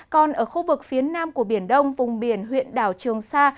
còn ở khu vực phía nam của biển đông vùng biển huyện đảo trường sa